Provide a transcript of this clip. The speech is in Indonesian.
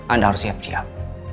anda harus siap siap